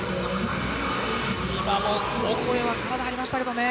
オコエが体張りましたけどね。